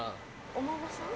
お孫さん？